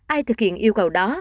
ai thực hiện yêu cầu đó